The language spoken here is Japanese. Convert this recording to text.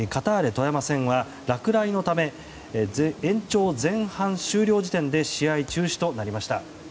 富山戦は落雷のため延長前半終了時点で試合中止となりました。